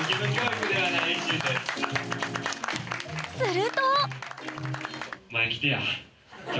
すると！